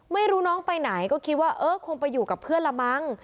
ไม่รู้น้องไปไหนก็คิดว่าเออคงไปอยู่กับเพื่อนละมั้ง